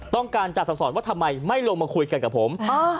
ต้องการจะสั่งสอนว่าทำไมไม่ลงมาคุยกันกับผม